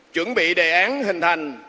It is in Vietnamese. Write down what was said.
chuẩn bị đề án hình thành